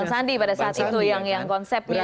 bang sandi pada saat itu yang konsepnya ada jelas